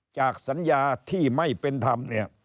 จากสัญญาที่ไม่เป็นธรรม